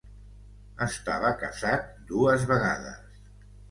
Estava casat dues vegades.